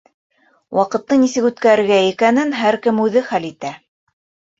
Ваҡытты нисек үткәрергә икәнен һәр кем үҙе хәл итә.